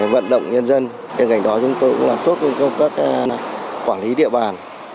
vận động nhân dân bên cạnh đó chúng tôi cũng làm tốt công tác quản lý địa bàn